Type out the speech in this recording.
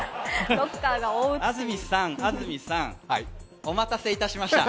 安住さん、お待たせいたしました。